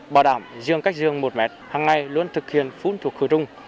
bảo đảm riêng cách riêng một mét hằng ngày luôn thực hiện phun thuộc khử trung